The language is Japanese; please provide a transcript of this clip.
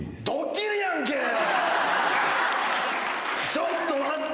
ちょっと待って！